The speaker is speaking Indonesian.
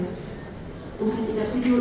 tuhan tidak tidur